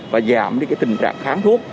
và giảm tình trạng kháng thuốc